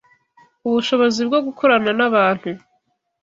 ubushobozi bwo gukorana n’abantu